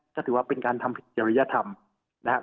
ก็ถือว่าเป็นการทำผิดจริยธรรมนะครับ